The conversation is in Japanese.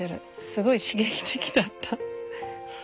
すごい刺激的だった。